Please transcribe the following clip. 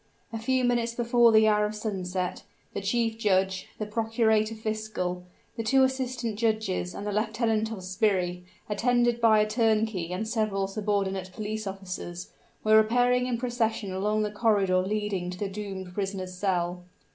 A few minutes before the hour of sunset, the chief judge, the procurator fiscal, the two assistant judges, and the lieutenant of sbirri, attended by a turnkey and several subordinate police officers, were repairing in procession along the corridor leading to the doomed prisoner's cell.